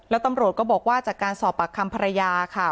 แล้วตำรวจก็บอกว่าจากการสอบปากคำภรรยาค่ะ